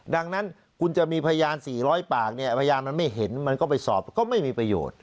ดังนั้นคุณจะมีพยาน๔๐๐ปากเนี่ยพยานมันไม่เห็นมันก็ไปสอบก็ไม่มีประโยชน์